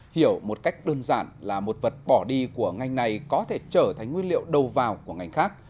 hiểu một cách đơn giản là một vật bỏ đi của ngành này có thể trở thành nguyên liệu đầu vào của ngành khác